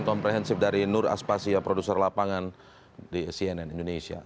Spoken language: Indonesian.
dan dari nur aspasia produser lapangan di cnn indonesia